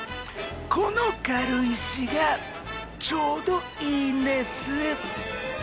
この軽石がちょうどいいんです。